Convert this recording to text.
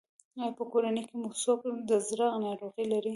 ایا په کورنۍ کې مو څوک د زړه ناروغي لري؟